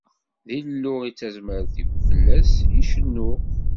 D Illu i d tazmert-iw, fell-as i cennuɣ.